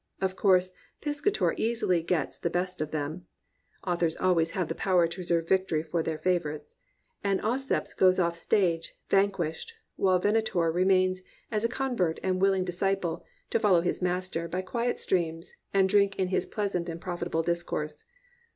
Of course Piscator easily gets the best of them, (authors always have this power to reserve victory for their favourites,) and Auceps goes off stage, vanquished, while Venator remains as a convert and willing dis ciple, to follow his "Master" by quiet streams and drink in his pleasant and profitable discourse.